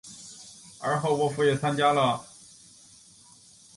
而后沃夫加也参与了协助布鲁诺收复地底矮人城秘银厅的冒险。